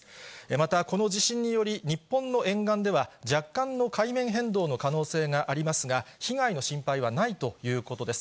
また、この地震により、日本の沿岸では、若干の海面変動の可能性がありますが、被害の心配はないということです。